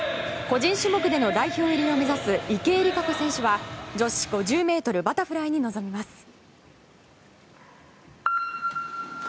個人種目での代表入りを目指す池江璃花子選手は女子５０ｍバタフライに臨みます。